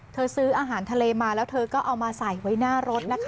ซื้ออาหารทะเลมาแล้วเธอก็เอามาใส่ไว้หน้ารถนะคะ